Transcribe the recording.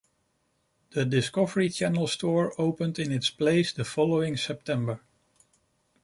The Discovery Channel Store opened in its place the following September.